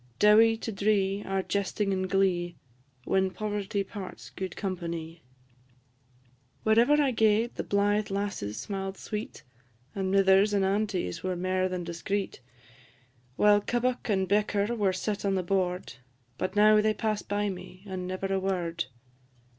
Dowie to dree are jesting and glee, When poverty parts gude companie. Wherever I gaed the blythe lasses smiled sweet, And mithers and aunties were mair than discreet, While kebbuck and bicker were set on the board; But now they pass by me, and never a word.